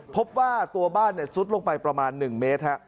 พบว่าตัวบ้านเนี้ยซุดลงไปประมาณหนึ่งเมตรฮะ